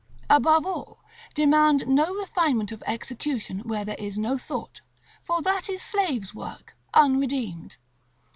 Above all, demand no refinement of execution where there is no thought, for that is slaves' work, unredeemed.